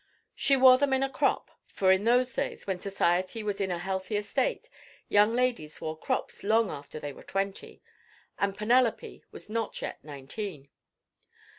She wore them in a crop, for in those days, when society was in a healthier state, young ladies wore crops long after they were twenty, and Penelope was not yet nineteen.